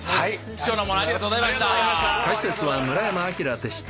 貴重なものありがとうございました。